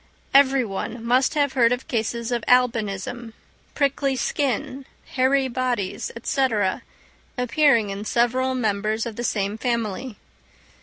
Every one must have heard of cases of albinism, prickly skin, hairy bodies, &c., appearing in several members of the same family.